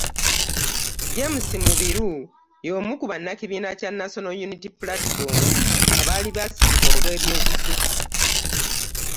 James Mubiru y'omu ku bannakibiina kya National Unity Platform abaali baasibibwa olw'eby'obufuzi.